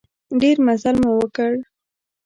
ډېر مزل مو وکړ.